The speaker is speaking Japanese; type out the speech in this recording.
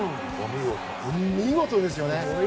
見事ですよね。